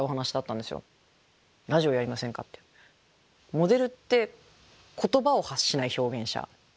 モデルって言葉を発しない表現者じゃないですか。